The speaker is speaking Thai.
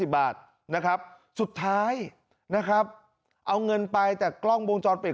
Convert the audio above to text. บาทนะครับสุดท้ายนะครับเอาเงินไปแต่กล้องวงจรปิด